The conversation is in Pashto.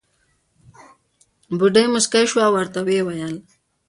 بوډۍ موسکۍ شوه او ورته وې وېل.